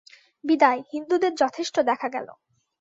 বিদায়, হিন্দুদের যথেষ্ট দেখা গেল।